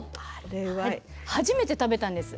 初めて食べたんです。